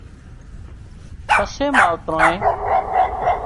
پسي ماوترانئي